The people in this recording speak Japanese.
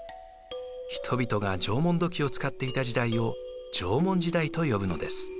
人々が縄文土器を使っていた時代を縄文時代と呼ぶのです。